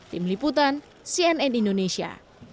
tim liputan cnn indonesia